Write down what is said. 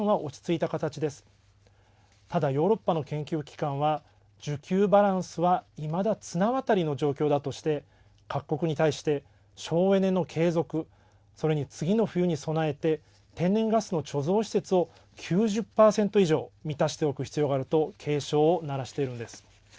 ただヨーロッパの研究機関は需給バランスはいまだ綱渡りの状況だとして各国に対して省エネの継続それに次の冬に備えて天然ガスの貯蔵施設を９０％以上満たしておく必要があると警鐘を鳴らしているんです。